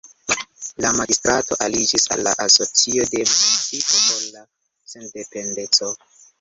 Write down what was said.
La magistrato aliĝis al la Asocio de Municipoj por la Sendependeco.